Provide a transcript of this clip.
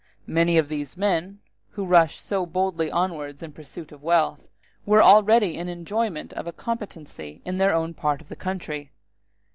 Many of these men, who rush so boldly onwards in pursuit of wealth, were already in the enjoyment of a competency in their own part of the country.